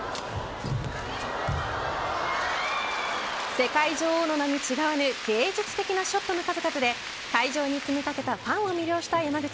世界女王の名に違わぬ芸術的なショットの数々で会場に詰めかけたファンを魅了した山口。